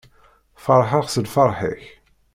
Ferḥeɣ s lferḥ-ik.